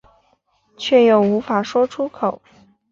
却又无法说出口